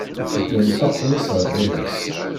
Yenṭeq mmi-s ɣer baba-s.